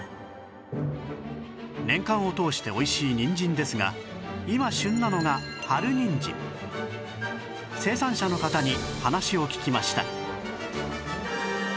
年間を通しておいしいにんじんですが今旬なのが春にんじん生産者の方に話を聞きました